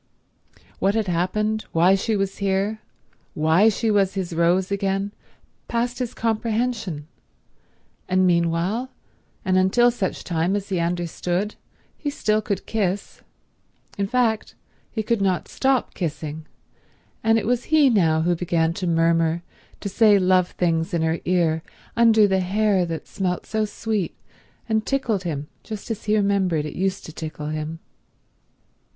What had happened, why she was here, why she was his Rose again, passed his comprehension; and meanwhile, and until such time as he understood, he still could kiss. In fact he could not stop kissing; and it was he now who began to murmur, to say love things in her ear under the hair that smelt so sweet and tickled him just as he remembered it used to tickle him.